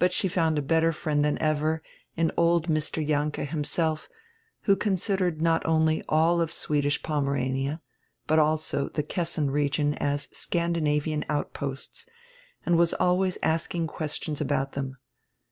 But she found a better friend than ever in old Mr. Jahnke himself, who considered not only all of Swedish Pomerania, but also the Kessin region as Scan dinavian outposts, and was always asking questions about them.